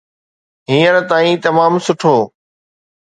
هينئر تائين تمام سٺو.